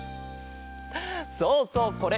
そうそうこれ。